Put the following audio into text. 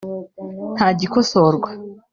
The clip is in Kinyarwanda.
nta gikosorwa